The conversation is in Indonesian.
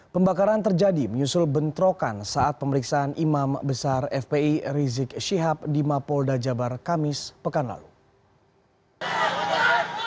pembakaran terjadi menyusul bentrokan saat pemeriksaan imam besar fpi rizik syihab di mapolda jabar kamis pekan lalu